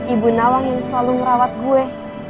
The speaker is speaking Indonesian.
ibu nawang yang selalu merawat gue